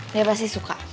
dia pasti suka